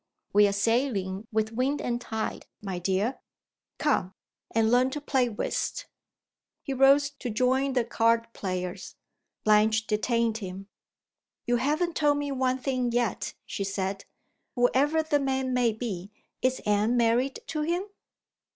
We are sailing with wind and tide, my dear. Come, and learn to play whist." He rose to join the card players. Blanche detained him. "You haven't told me one thing yet," she said. "Whoever the man may be, is Anne married to him?"